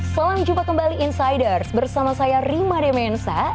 salam jumpa kembali insiders bersama saya rima demensa